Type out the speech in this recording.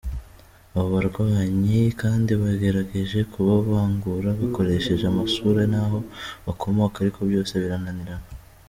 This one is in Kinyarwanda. Abo barwanyi kandi bagerageje kubavangura bakoresheje amasura n’aho bakomoka ariko byose birananirana.